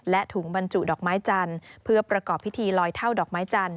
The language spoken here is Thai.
และถุงบรรจุดอกไม้จันทร์เพื่อประกอบพิธีลอยเท่าดอกไม้จันท